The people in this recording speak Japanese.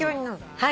はい。